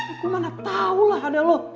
aku mana tau lah ada lu